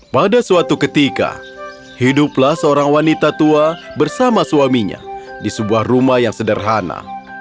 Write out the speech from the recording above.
pada suatu ketika hiduplah seorang wanita tua bersama suaminya di sebuah rumah yang sederhana